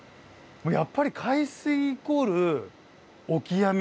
やっぱり海水イコールオキアミ。